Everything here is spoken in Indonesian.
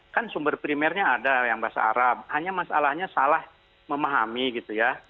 kan sumber primernya ada yang bahasa arab hanya masalahnya salah memahami gitu ya